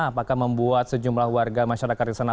apakah membuat sejumlah warga masyarakat di sana